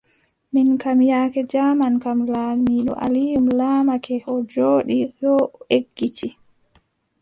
Min kam, yaake jaaman kam, laamiiɗo Alium laamake, o jooɗi yo, eggiti.